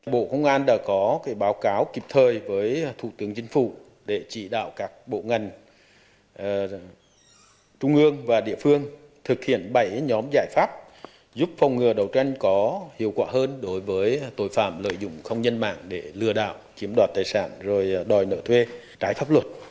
bộ công an đã có báo cáo kịp thời với thủ tướng chính phủ để chỉ đạo các bộ ngành trung ương và địa phương thực hiện bảy nhóm giải pháp giúp phòng ngừa đấu tranh có hiệu quả hơn đối với tội phạm lợi dụng không nhân mạng để lừa đảo chiếm đoạt tài sản rồi đòi nợ thuê trái pháp luật